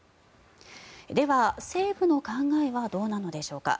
では、政府の考えはどうなのでしょうか。